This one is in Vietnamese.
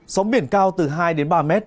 sóng biển cao từ hai đến ba mét